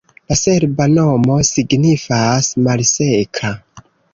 La serba nomo signifas: malseka.